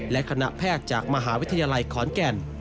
และคณะแพทย์จากมหาวิทยาลัยขอนแก่น